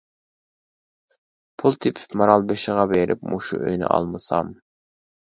پۇل تېپىپ مارالبېشىغا بېرىپ مۇشۇ ئۆينى ئالمىسام!